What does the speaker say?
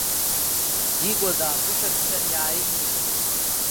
Дигәа дааԥышәарччан, иааимихит.